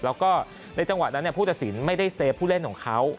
แล้วก็ในจังหวะนั้นผู้ตัดสินไม่ได้เซฟผู้เล่นของเขา